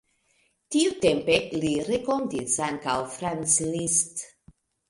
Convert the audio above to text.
Tiutempe li renkontis ankaŭ Franz Liszt.